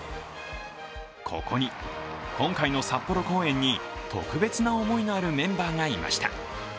ここに、今回の札幌公演に特別な思いのあるメンバーがいました。